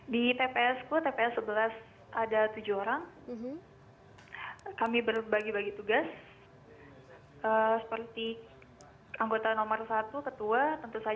di tps ku terdapat berapa anggota kpps